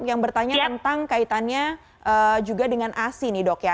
yang bertanya tentang kaitannya juga dengan asi nih dok ya